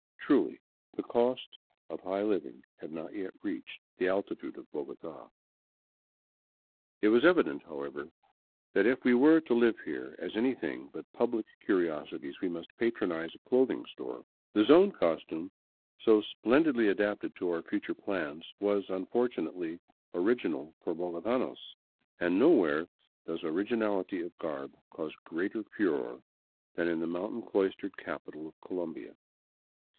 Truly, the cost of high living had not yet reached the altitude of Bogota. 22 THE CLOISTERED CITY It was evident, however, that if we were to live here as anything but pubHc curiosities we must patronize a clothing store. The Zone cos tume, so splendidly adapted to our future plans, was, unfortunately, ':. original for bogotanos; and nowhere does originaHty of garb cause greater furore than in the mountain cloistered capital of Colombia.